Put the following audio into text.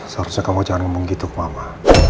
seharusnya kamu jangan ngomong gitu ke mama